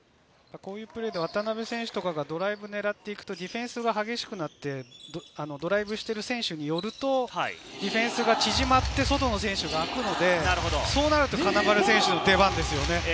こういうプレーで渡邊選手がドライブを狙っていくと、ディフェンスが激しくなって、ドライブしている選手によると、ディフェンスが縮まって外の選手が空くので、そうなると金丸選手の出番ですよね。